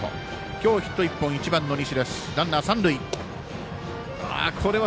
今日ヒット１本、１番の西。